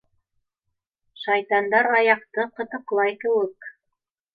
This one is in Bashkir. Шайтандар аяҡты ҡытыҡлай кеүек.